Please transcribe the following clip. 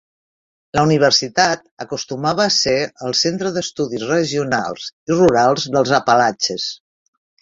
La universitat acostumava a ser el Centre d'Estudis Regionals i Rurals dels Apalatxes.